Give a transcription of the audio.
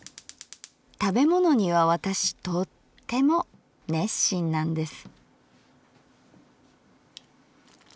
食べ物には私とっても熱心なんです」。